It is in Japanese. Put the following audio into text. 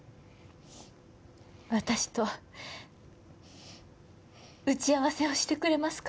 私と打ち合わせをしてくれますか？